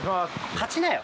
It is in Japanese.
勝ちなよ。